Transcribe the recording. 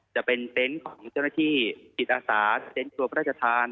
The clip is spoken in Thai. จะเป็นเต็นต์ของเจ้าหน้าที่จิตอาสาเต็นต์ทัวร์พระราชทาน